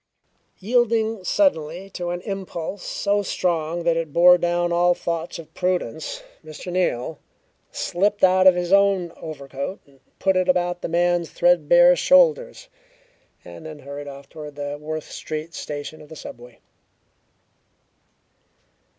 Yielding suddenly to an impulse so strong that it bore down all thoughts of prudence, Mr. Neal slipped out of his own overcoat and put it about the man's threadbare shoulders, and then hurried off toward the Worth Street Station of the subway.